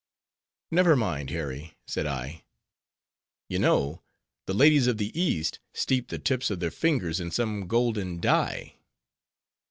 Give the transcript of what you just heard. "Never mind, Harry," said I—"You know the ladies of the east steep the tips of their fingers in some golden dye."